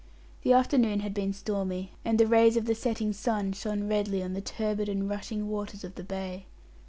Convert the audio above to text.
The afternoon had been stormy, and the rays of the setting sun shone redly on the turbid and rushing waters of the bay.